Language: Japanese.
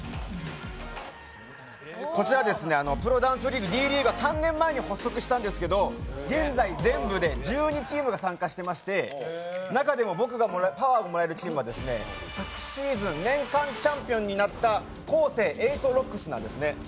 こちらはですね、プロダンスリーグＤリーグは３年前に発足したんですけど現在、全部で１２チームが参加していまして、中でも僕がパワーをもらえるチームは昨シーズン年間チャンピオンになったＫＯＳＥ８ＲＯＣＫＳなんですね。